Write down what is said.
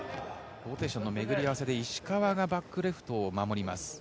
ローテーションの巡り合わせで石川がバックレフトを守ります。